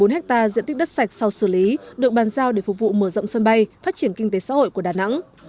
ba mươi hai bốn ha diện tích đất sạch sau xử lý được bàn giao để phục vụ mở rộng sân bay phát triển kinh tế xã hội của đà nẵng